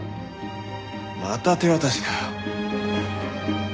また手渡しかよ。